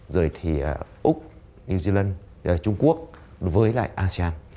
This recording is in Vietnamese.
rồi thì úc new zealand trung quốc với lại asean